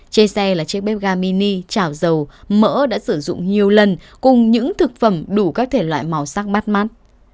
trên xe là chiếc bếp ga mini trảo dầu mỡ đã sử dụng nhiều lần cùng những thực phẩm đủ các thể loại màu sắc bắt mắt